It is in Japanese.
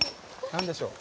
何でしょう？